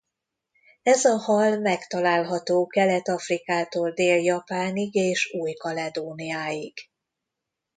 Ez a hal megtalálható Kelet-Afrikától Dél-Japánig és Új-Kaledóniáig.